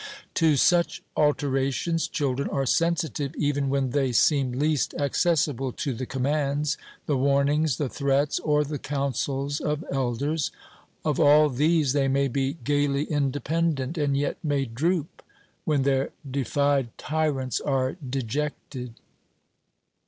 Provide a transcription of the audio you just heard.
To such alterations children are sensitive even when they seem least accessible to the commands, the warnings, the threats, or the counsels of elders. Of all these they may be gaily independent, and yet may droop when their defied tyrants are dejected.